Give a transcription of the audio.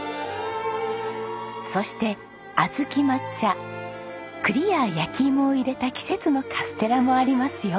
そしてあずき抹茶栗や焼き芋を入れた季節のカステラもありますよ。